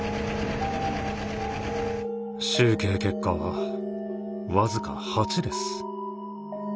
集計結果は僅か８です。